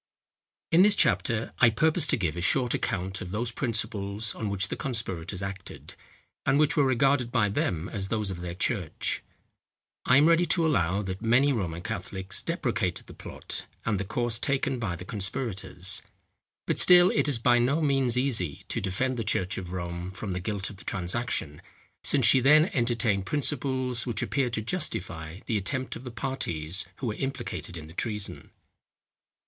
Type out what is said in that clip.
In this chapter I purpose to give a short account of those principles, on which the conspirators acted, and which were regarded by them as those of their church. I am ready to allow, that many Roman Catholics deprecated the plot and the course taken by the conspirators; but still it is by no means easy to defend the church of Rome from the guilt of the transaction, since she then entertained principles, which appeared to justify the attempt of the parties who were implicated in the treason.